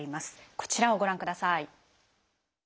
こちらをご覧ください。